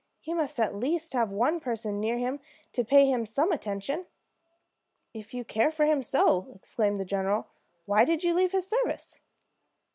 He must at least have one person near him to pay him some attention." "If you care for him so," exclaimed the general, "why did you leave his service?"